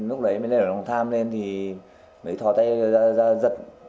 thì lúc đấy mới lên ở đồng tham lên thì mới thò tay ra giật